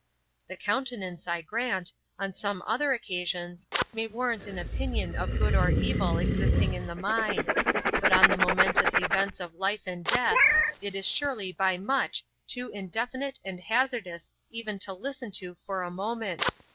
The countenance, I grant, on some other occasions, may warrant an opinion of good or evil existing in the mind; but on the momentous events of life and death, it is surely by much too indefinite and hazardous even to listen to for a moment.